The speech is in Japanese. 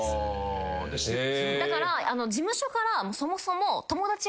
だから事務所からそもそも。